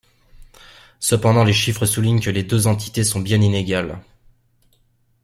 Cependant les chiffres soulignent que les deux entités sont bien inégales.